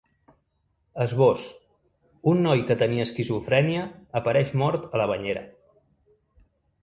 Esbós: Un noi que tenia esquizofrènia apareix mort a la banyera.